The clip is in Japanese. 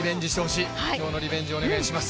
今日のリベンジ、お願いします。